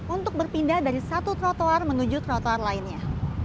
untuk berpindah dari satu trotoar menuju trotoar lainnya